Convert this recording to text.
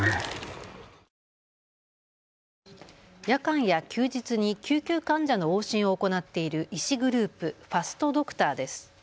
夜間や休日に救急患者の往診を行っている医師グループ、ファストドクターです。